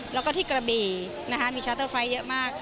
แล้วก็ที่กระบี่มีชาร์เตอร์ไฟล์เยอะมาก